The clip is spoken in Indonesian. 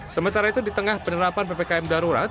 sementara itu di tengah penerapan ppkm darurat